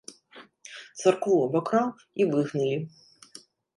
Царкву абакраў, і выгналі.